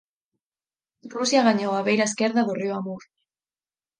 Rusia gañou a beira esquerda do río Amur.